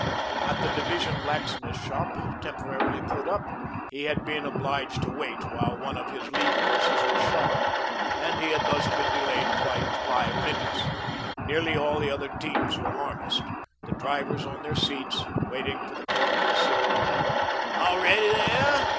At the division blacksmith shop temporarily put up he had been obliged to wait while one of his lead horses was shod, and he had thus been delayed quite five minutes. Nearly all the other teams were harnessed, the drivers on their seats, waiting for the foreman's signal. "All ready here?"